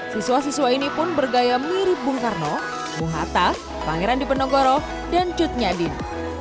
siswa siswa ini pun bergaya mirip bung karno bung hatta pangeran dipenegoro dan cutnya din